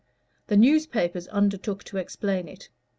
The newspapers undertook to explain it.